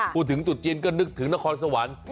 พูดถึงตรุจจีนก็นึกถึงนครสะวัน